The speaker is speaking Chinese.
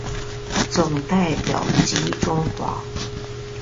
总代表吉钟华。